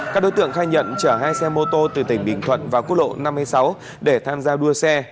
các đối tượng khai nhận chở hai xe mô tô từ tỉnh bình thuận vào quốc lộ năm mươi sáu để tham gia đua xe